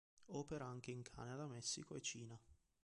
Opera anche in Canada, Messico e Cina.